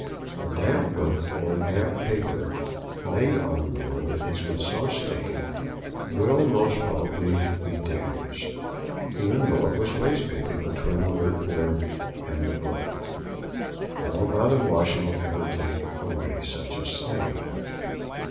A damp book or damp paper laid on a board that has been so stained will most probably be damaged, even though it has waste paper between the work board and book. No amount of washing will ever take away such a stain.